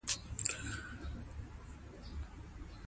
ډیپلوماسي د هېواد د استقلال یو مهم محور دی.